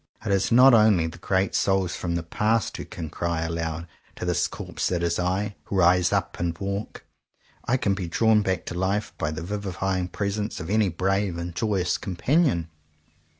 It is not only the great souls from the past who can cry aloud to this corpse that is I, ''Rise up and walk!" I can be drawn back to life by the vivifying presence of any brave and joyous companion.